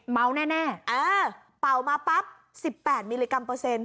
เมาแน่เออเป่ามาปั๊บ๑๘มิลลิกรัมเปอร์เซ็นต